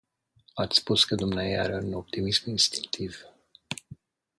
Ați spus că dumneaei are un optimism instinctiv.